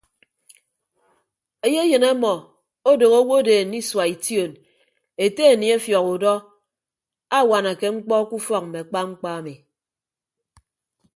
Eyeyịn ọmọ odooho owodeen isua ition ete aniefiọk udọ awanake mkpọ ke ufọk mme akpa mkpa ami.